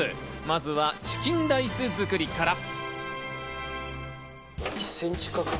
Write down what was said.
まずはチキンライス作りから。